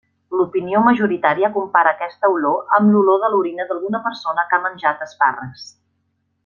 L'opinió majoritària compara aquesta olor amb l'olor de l'orina d'alguna persona que ha menjat espàrrecs.